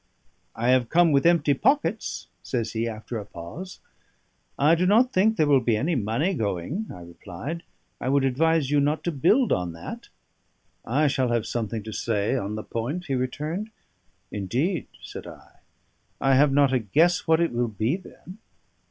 "I have come with empty pockets," says he, after a pause. "I do not think there will be any money going," I replied. "I would advise you not to build on that." "I shall have something to say on the point," he returned. "Indeed?" said I. "I have not a guess what it will be, then."